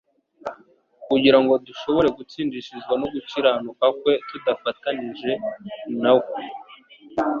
kugira ngo dushobore gutsindishirizwa no gukiranuka kwe, tudafatanije na we.